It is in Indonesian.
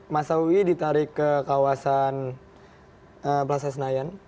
mas awi ditarik ke kawasan plaza senayan